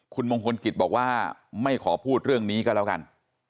คุณมงคลกิจบอกว่าไม่ขอพูดเรื่องนี้ก็แล้วกัน